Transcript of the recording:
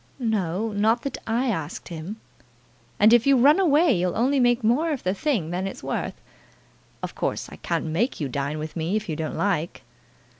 "No; not that I asked him." "And if you run away you'll only make more of the thing than it's worth. Of course I can't make you dine with me if you don't like."